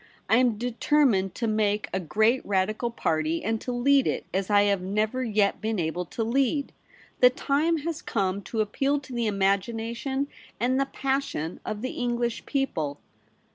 I am determined to make a great Radical Party and to lead it, as I have never yet been able to lead. The time has come to appeal to the imagination and the passion of the English people.